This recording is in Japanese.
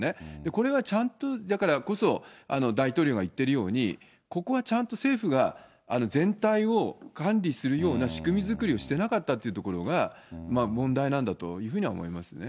これはちゃんと、だからこそ大統領が言ってるように、ここはちゃんと政府が全体を管理するような仕組み作りをしてなかったというところが問題なんだというふうには思いますね。